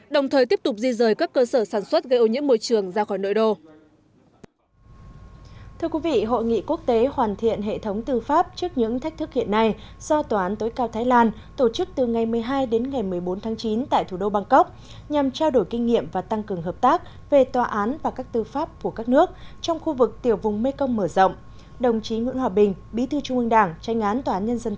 đồng thời tiếp tục di rời các cơ sở sản xuất gây ô nhiễm môi trường ra khỏi nội đô